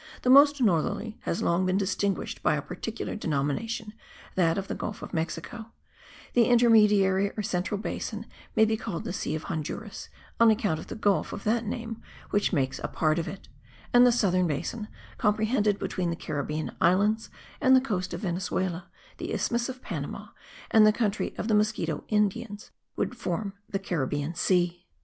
The most northerly has long been distinguished by a particular denomination, that of the Gulf of Mexico; the intermediary or central basin may be called the Sea of Honduras, on account of the gulf of that name which makes a part of it; and the southern basin, comprehended between the Caribbean Islands and the coast of Venezuela, the isthmus of Panama, and the country of the Mosquito Indians, would form the Caribbean Sea.